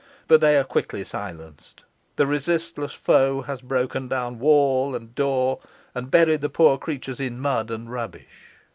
But they are quickly silenced. The resistless foe has broken down wall and door, and buried the poor creatures in mud and rubbish.